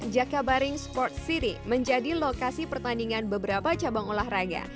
jakabaring sport city menjadi lokasi pertandingan beberapa cabang olahraga